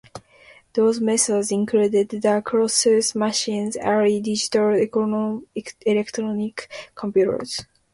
Those methods included the Colossus machines, early digital electronic computers.